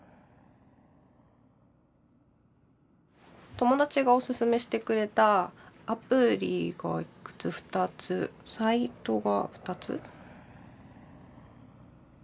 友達がおすすめしてくれたアプリがいくつ２つサイトが２つ。